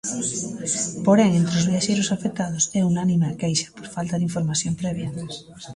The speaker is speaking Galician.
Porén, entre os viaxeiros afectados é unánime a queixa por falta de información previa.